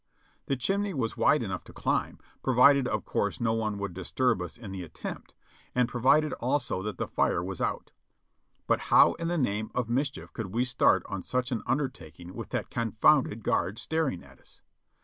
The chimney was wide enough to climb, provided of course no one would disturb us in the attempt, and provided also that the fire was out. But how in the name of mis chief could we start on such an undertaking with that confounded guard staring at us?